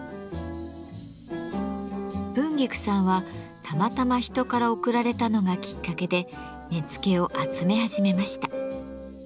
文菊さんはたまたま人から贈られたのがきっかけで根付を集め始めました。